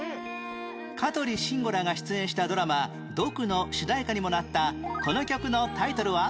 香取慎吾らが出演したドラマ『ドク』の主題歌にもなったこの曲のタイトルは？